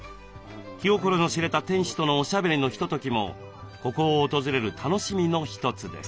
気心の知れた店主とのおしゃべりのひとときもここを訪れる楽しみの一つです。